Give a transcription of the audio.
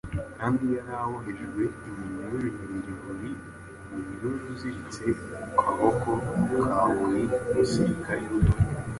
kandi yari aboheshejwe iminyururu ibiri buri munyururu uziritse ku kaboko ka buri musirikari.